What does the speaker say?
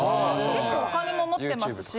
結構お金も持ってますし。